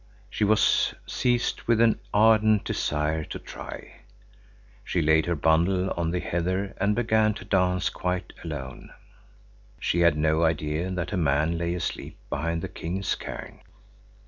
She was seized with an ardent desire to try. She laid her bundle on the heather and began to dance quite alone. She had no idea that a man lay asleep behind the king's cairn.